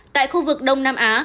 tại khu vực đông nam á